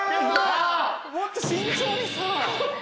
もっと慎重にさ。